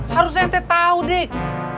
harus ente tau dik